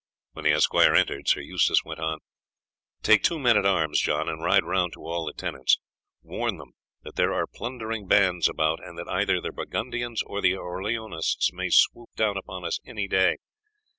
When the esquire entered, Sir Eustace went on: "Take two men at arms, John, and ride round to all the tenants. Warn them that there are plundering bands about, and that either the Burgundians or the Orleanists may swoop down upon us any day.